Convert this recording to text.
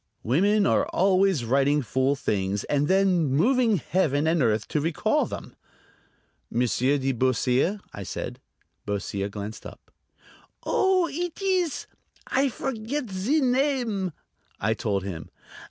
Women are always writing fool things, and then moving Heaven and earth to recall them. "Monsieur de Beausire?" I said. Beausire glanced up. "Oh, eet ees ... I forget zee name?" I told him.